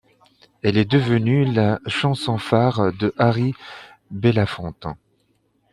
Elle est devenue la chanson-phare de Harry Belafonte.